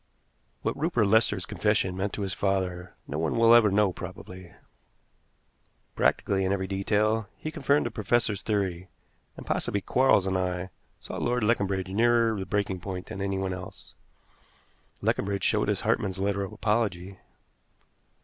What Rupert Lester's confession meant to his father no one will ever know probably. Practically, in every detail, he confirmed the professor's theory, and possibly Quarles and I saw Lord Leconbridge nearer the breaking point than anyone else. Leconbridge showed us Hartmann's letter of apology.